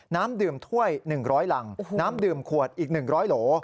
น้ำดื่มถ้วย๑๐๐รังน้ำดื่มขวดอีก๑๐๐โหล